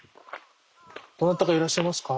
どなたかいらっしゃいますか？